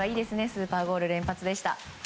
スーパーゴール連発でした。